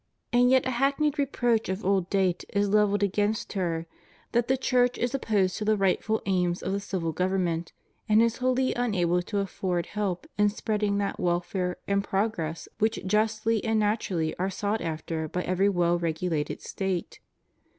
And yet a hackneyed reproach of old date is levelled against her, that the Church is opposed to the rightful aims of the civil government, and is wholly unable to afford help in spreading that welfare and progress which justly and naturally are sought after by every well regulated State.